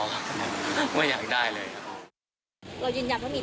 ว่าอยากได้เลย